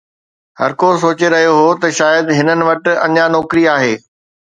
هر ڪو سوچي رهيو هو ته شايد هنن وٽ اڃا نوڪري آهي